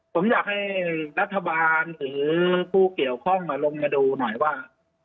ผมอยากให้รัฐบาลหรือผู้เกี่ยวข้องลงมาดูหน่อยว่า